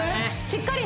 しっかり